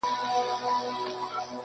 د پړانګانو په کوروکي -